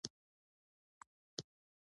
بېسوادي د پرمختګ مخه نیسي.